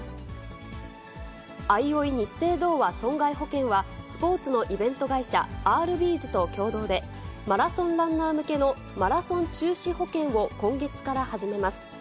あいおいニッセイ同和損害保険は、スポーツのイベント会社、アールビーズと共同で、マラソンランナー向けのマラソン中止保険を今月から始めます。